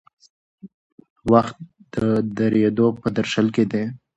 وخت د درېدو په درشل کې دی.